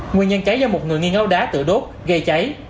nguyên nhân cháy do một người nghi ngấu đá tựa đốt gây cháy